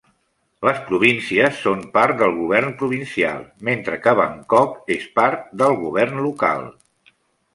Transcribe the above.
Les províncies són part del govern provincial, mentre que Bangkok és part del govern local.